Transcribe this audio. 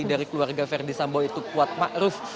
sehingga verdi sambo itu kuat makruf